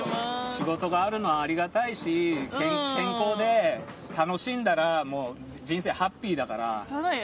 仕事があるのはありがたいし健康で楽しんだら人生ハッピーだから。